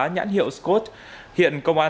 nhãn hiệu scot hiện công an